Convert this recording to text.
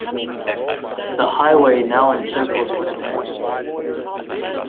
The highway now encircles Winnipeg.